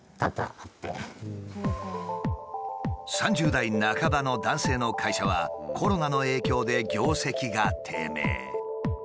３０代半ばの男性の会社はコロナの影響で業績が低迷。